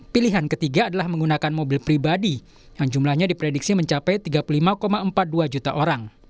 pilihan ketiga adalah menggunakan mobil pribadi yang jumlahnya diprediksi mencapai tiga puluh lima empat puluh dua juta orang